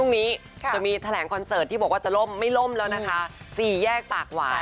ไม่ว่ามันจะเป็นเรื่องอะไรของเขา